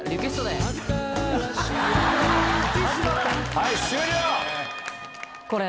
はい終了！